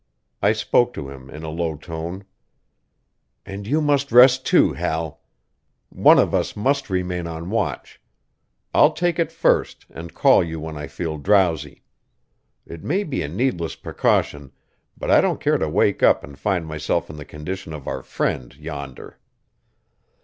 I spoke to him, in a low tone: "And you must rest too, Hal. One of us must remain on watch; I'll take it first and call you when I feel drowsy. It may be a needless precaution, but I don't care to wake up and find myself in the condition of our friend yonder."